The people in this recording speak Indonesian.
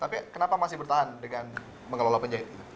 tapi kenapa masih bertahan dengan mengelola penjahit